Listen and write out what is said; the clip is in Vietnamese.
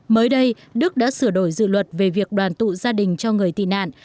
mới đây đức đã sửa đổi dự luật về việc đoàn tụ gia đình cho người tị nạn